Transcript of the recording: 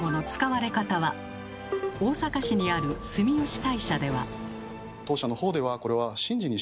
大阪市にある住吉大社では。